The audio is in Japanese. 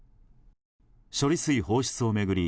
処理水放出を巡り